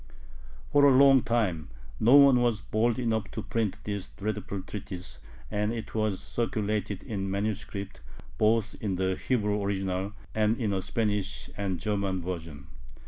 For a long time no one was bold enough to print this "dreadful treatise," and it was circulated in manuscript both in the Hebrew original and in a Spanish and German version.